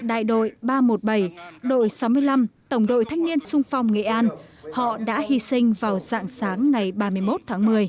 đội ba trăm một mươi bảy đội sáu mươi năm tổng đội thanh niên sung phong nghệ an họ đã hy sinh vào dạng sáng ngày ba mươi một tháng một mươi